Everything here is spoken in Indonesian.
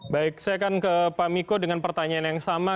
baik saya akan ke pak miko dengan pertanyaan yang sama